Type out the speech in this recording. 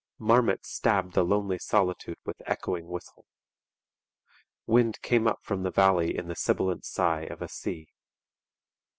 Marmots stabbed the lonely solitude with echoing whistle. Wind came up from the valley in the sibilant sigh of a sea.